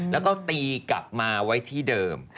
แล้วก็ตีกลับมาไว้ที่เดิม